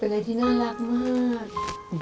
เป็นอะไรที่น่ารักมาก